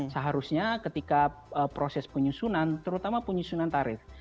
seharusnya ketika proses penyusunan terutama penyusunan tarif